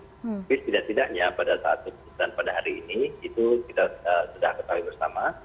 tapi setidak tidaknya pada saat keputusan pada hari ini itu kita sudah ketahui bersama